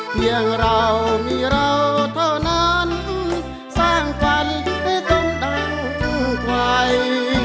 เพียงเรามีเราเท่านั้นสร้างฝันให้จงดังใคร